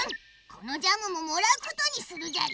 このジャムももらうことにするじゃり。